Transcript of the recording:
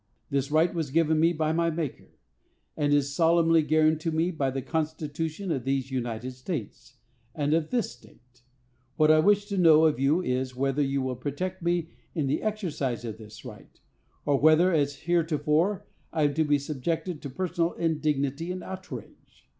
This right was given me by my Maker; and is solemnly guaranteed to me by the constitution of these United States, and of this state. What I wish to know of you is, whether you will protect me in the exercise of this right; or whether, as heretofore, I am to be subjected to personal indignity and outrage.